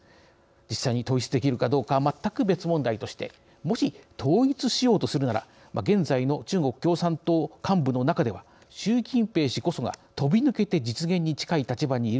実際に統一できるかどうかは全く別問題としてもし統一しようとするなら現在の中国共産党幹部の中では習近平氏こそが飛びぬけて実現に近い立場にいることになるのです。